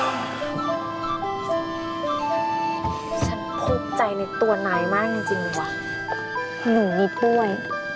ฉันพูดใจในตัวนายมากจริงจริงว่ะหนึ่งนิดด้วย